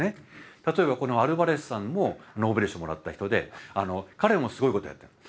例えばこのアルヴァレズさんもノーベル賞もらった人で彼もすごいことやってるんです。